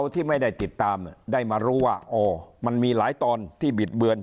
ที่ไม่ได้ติดตามได้มารู้ว่าอ๋อมันมีหลายตอนที่บิดเบือน